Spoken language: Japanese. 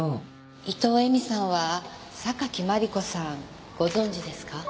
伊藤絵美さんは榊マリコさんご存じですか？